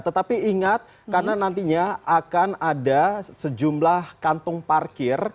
tetapi ingat karena nantinya akan ada sejumlah kantong parkir